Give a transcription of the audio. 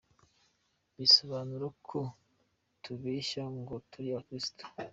bisobanura ko tubeshya ngo turi abakristo.